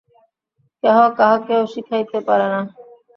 কেহ কাহাকেও শিখাইতে পারে না।